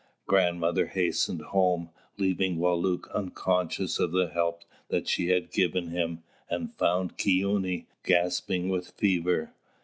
Grandmother hastened home, leaving Wālūt unconscious of the help that she had given him, and found Kīūny gasping with fever.